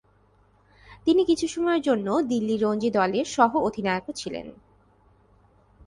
তিনি কিছু সময়ের জন্য দিল্লি রঞ্জি দলের সহ-অধিনায়কও ছিলেন।